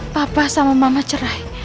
papa sama mama cerai